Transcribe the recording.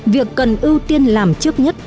việc cần ưu tiên làm trước nhất